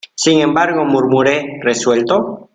sin embargo, murmuré resuelto: